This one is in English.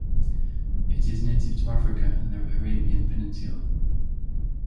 It is native to Africa and the Arabian Peninsula.